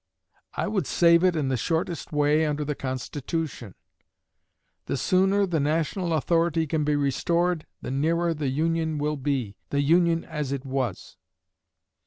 I would save it in the shortest way under the Constitution. The sooner the national authority can be restored, the nearer the Union will be the Union as it was.